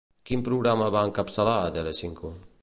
Quin programa va encapçalar a Telecinco?